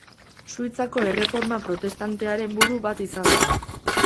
Suitzako Erreforma Protestantearen buru bat izan zen.